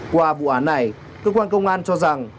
qua vụ án này cơ quan công an cho rằng